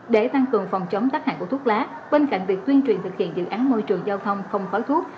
để tăng cường phòng chống tác hại của thuốc lá bên cạnh việc tuyên truyền thực hiện dự án môi trường giao thông không khói thuốc